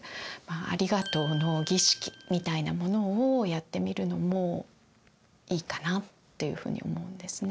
「ありがとうの儀式」みたいなものをやってみるのもいいかなっていうふうに思うんですね。